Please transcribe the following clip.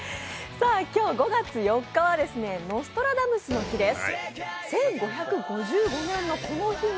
今日５月４日はノストラダムスの日です。